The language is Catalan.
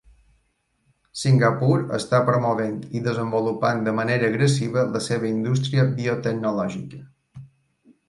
Singapur està promovent i desenvolupant de manera agressiva la seva indústria biotecnològica.